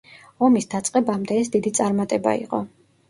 ომის დაწყებამდე ეს დიდი წარმატება იყო.